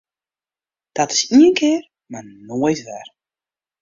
Dat is ien kear mar noait wer!